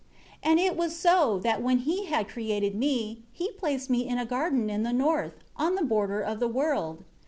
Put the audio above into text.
7 And it was so, that when He had created me, He placed me in a garden in the north, on the border of the world.